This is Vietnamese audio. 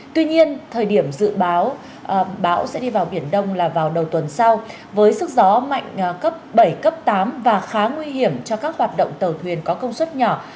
tuy nhiên thời điểm dự báo bão sẽ đi vào biển đông là vào đầu tuần sau với sức gió mạnh cấp bảy cấp tám và khá nguy hiểm cho các hoạt động tàu thuyền có công suất nhỏ